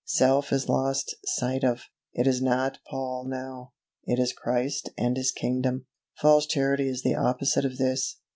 Self is lost sight of; it is not Paul now it is Christ and His kingdom. False Charity is the opposite of this.